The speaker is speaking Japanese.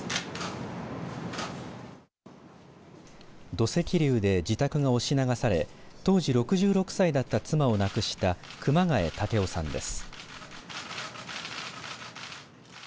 土石流で自宅が押し流され当時６６歳だった妻を亡くした熊谷武夫さんです。